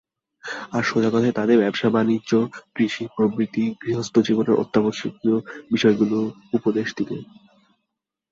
আর সোজা কথায় তাদের ব্যবসা-বাণিজ্য কৃষি প্রভৃতি গৃহস্থজীবনের অত্যাবশ্যক বিষয়গুলি উপদেশ দিগে।